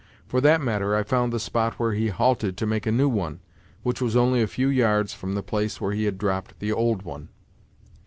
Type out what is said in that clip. For that matter, I found the spot where he halted to make a new one, which was only a few yards from the place where he had dropped the old one."